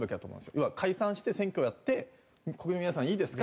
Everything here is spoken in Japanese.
要は解散して選挙をやって国民の皆さんいいですか？